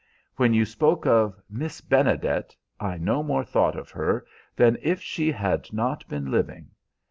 When you spoke of 'Miss Benedet' I no more thought of her than if she had not been living.